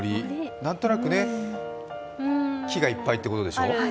何となくね、木がいっぱいってことでしょう？